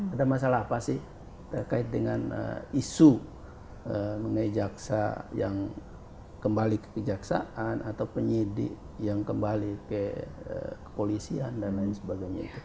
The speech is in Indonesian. ada masalah apa sih terkait dengan isu mengenai jaksa yang kembali ke kejaksaan atau penyidik yang kembali ke kepolisian dan lain sebagainya